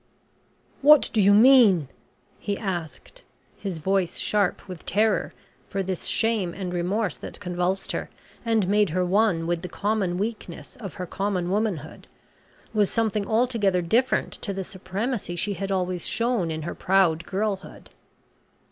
"What do you mean?" he asked, his voice sharp with terror, for this shame and remorse that convulsed her, and made her one with the common weakness of her common womanhood, was something altogether different to the supremacy she had always shown in her proud girlhood.